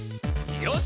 よし！